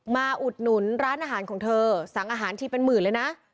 อุดหนุนร้านอาหารของเธอสั่งอาหารทีเป็นหมื่นเลยนะ